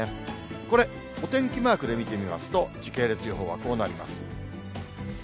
これ、お天気マークで見てみますと、時系列予報はこうなります。